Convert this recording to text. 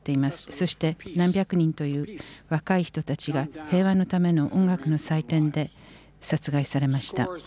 そして何百人という若い人たちが平和のための音楽の祭典で殺害されました。